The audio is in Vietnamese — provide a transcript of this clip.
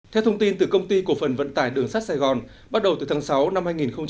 theo thông tin từ công ty cổ phận vận tải đường sát sài gòn bắt đầu từ tháng sáu năm hai nghìn một mươi chín